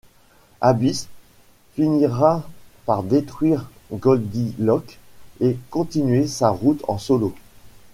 Abyss finira par détruire Goldilocks et continuer sa route en solo.